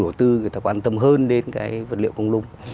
cho các chủ đầu tư người ta quan tâm hơn đến cái vật liệu không nung